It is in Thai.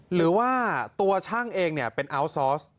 หรือว่าตัวช่างเองเป็นอัลซอส